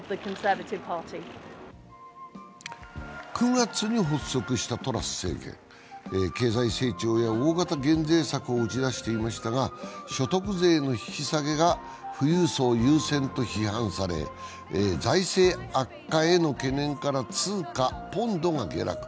９月に発足したトラス政権は経済成長や大型減税策などを打ち出していましたが、所得税の引き下げが富裕層優先と批判され財政悪化への懸念から、通貨・ポンドが下落。